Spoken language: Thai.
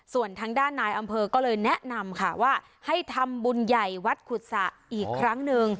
ส่วนทางด้านนายอำเภอก็เลยแนะนำค่ะว่าให้ทำบุญใหญ่วัดขุดสะอีกครั้งหนึ่ง